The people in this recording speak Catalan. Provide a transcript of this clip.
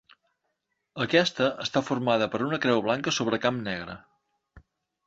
Aquesta està formada per una creu blanca sobre camp negre.